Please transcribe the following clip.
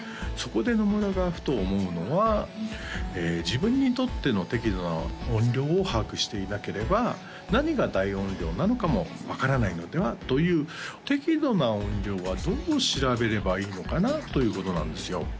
そこで野村がふと思うのは自分にとっての適度な音量を把握していなければ何が大音量なのかも分からないのではという適度な音量はどう調べればいいのかなということなんですよ